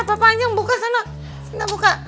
papa aja yang buka sana